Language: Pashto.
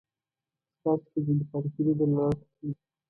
چې ستاسو په ژوندي پاتې کېدلو دلالت کوي.